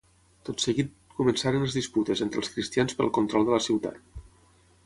Tot seguit, començaren les disputes entre els cristians pel control de la ciutat.